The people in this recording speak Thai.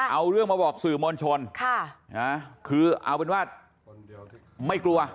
เอาเรื่องมาบอกสื่อมวลชนคือเอาเป็นว่าไม่กลัว